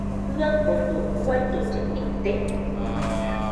¿Jɨaɨfodo uidolle ite?